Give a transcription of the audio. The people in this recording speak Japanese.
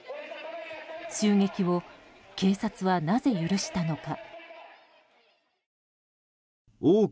襲撃を警察はなぜ許したのか。